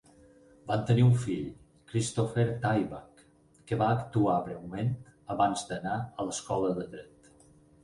Van tenir un fill, Christopher Tayback, que va actuar breument abans d'anar a l'escola de dret.